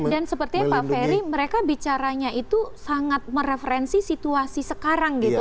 dan sepertinya pak ferry mereka bicaranya itu sangat mereferensi situasi sekarang gitu